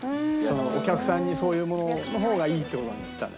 お客さんにそういうものの方がいいって事なんだね。